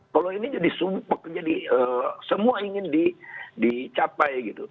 kalau ini jadi semua ingin dicapai gitu